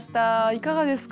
いかがですか？